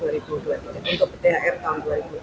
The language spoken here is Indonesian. untuk thr tahun dua ribu dua puluh tiga